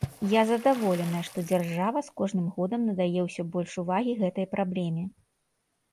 Я задаволеная, што дзяржава з кожным годам надае ўсё больш увагі гэтай праблеме.